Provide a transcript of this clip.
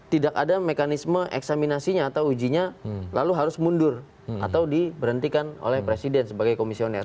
tidak ada mekanisme eksaminasinya atau ujinya lalu harus mundur atau diberhentikan oleh presiden sebagai komisioner